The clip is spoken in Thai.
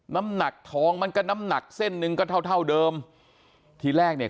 น้ำหนักทองมันก็น้ำหนักเส้นหนึ่งก็เท่าเท่าเดิมทีแรกเนี่ย